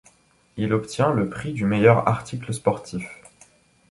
Il obtient le Prix du meilleur article sportif.